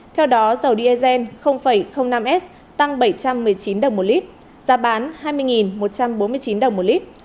theo đó dầu diesel năm s tăng bảy trăm một mươi chín đồng một lít giá bán hai mươi một trăm bốn mươi chín đồng một lít